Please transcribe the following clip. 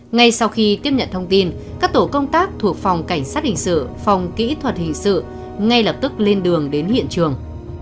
ngay sau khi tiếp nhận thông tin các tổ công tác thuộc phòng cảnh sát hình sự phòng kỹ thuật hình sự ngay lập tức lên đường đến hiện trường